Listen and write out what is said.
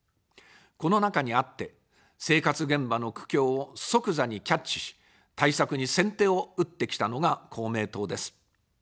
この中にあって、生活現場の苦境を即座にキャッチし、対策に先手を打ってきたのが公明党です。